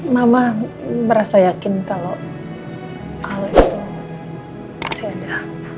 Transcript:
mama merasa yakin kalau alat itu masih ada